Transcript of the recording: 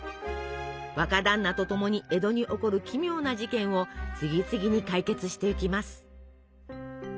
若だんなと共に江戸に起こる奇妙な事件を次々に解決していきます！